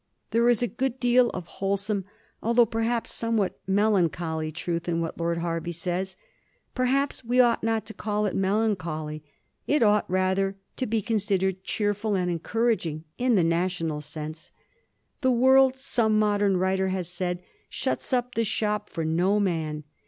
There is a good deal of wholesome, although perhaps somewhat melancholy, truth in what Lord Hervey says. Perhaps we ought not to call it melancholy; it ought rather to be considered cheerful and encouraging, in the national sense. The world, some modem writer has said, shuts up the shop for no man.